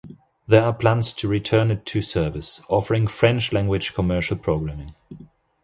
There are plans to return it to service, offering French-language commercial programming.